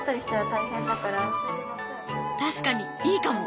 確かにいいかも！